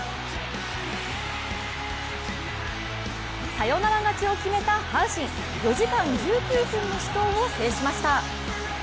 サヨナラ勝ちを決めた阪神、４時間１９分の死闘を制しました。